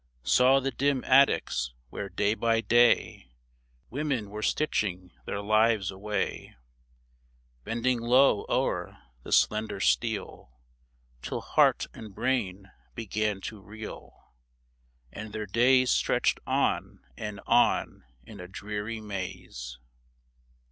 Saw the dim attics where, day by day, Women were stitching their lives away, Bending low o'er the slender steel Till heart and brain began to reel, And their days Stretched on and on in a dreary maze.